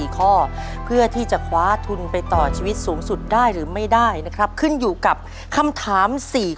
๔ข้อเพื่อที่จะคว้าทุนไปต่อชีวิตสูงสุดได้หรือไม่ได้นะครับขึ้นอยู่กับคำถาม๔ข้อ